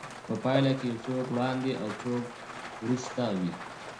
په پايله کې يو څوک وړاندې او يو څوک وروسته وي.